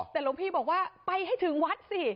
แต่หลวงพี่บอกว่าไปให้ถึงวัดสิ